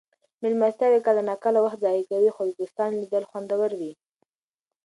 مېلمستیاوې کله ناکله وخت ضایع کوي خو د دوستانو لیدل خوندور وي.